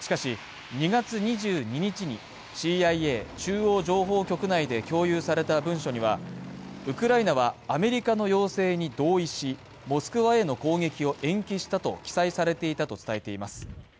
しかし、２月２２日にＣＩＡ＝中央情報局内で共有された文書には、ウクライナはアメリカの要請に同意し、モスクワへの攻撃を延期したと記載されていたと伝えています。